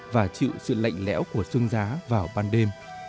và chịu sự lạnh lẽo của sương giá vào ban đêm